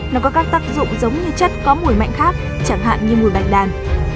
nó có các tác dụng giống như chất có mùi mạnh khác chẳng hạn như mùi bạch đàn